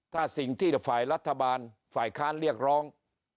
ถ้าสิ่งที่ฝ่ายรัฐบาลฝ่ายค้านเรียกร้อง